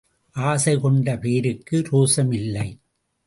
ஆசை கொண்ட பேருக்கு ரோசம் இல்லை.